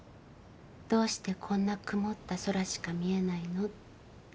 どうしてこんな曇った空しか見えないのって。